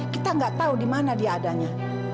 kita nggak tahu di mana dia adanya